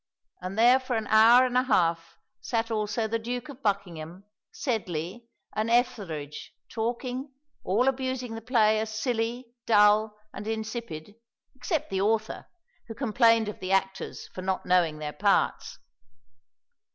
And there for an hour and a half sat also the Duke of Buckingham, Sedley, and Etherege talking; all abusing the play as silly, dull, and insipid, except the author, who complained of the actors for not knowing their parts.